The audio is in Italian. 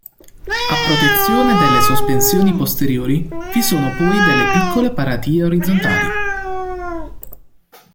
A protezione delle sospensioni posteriori vi sono poi delle piccole paratie orizzontali.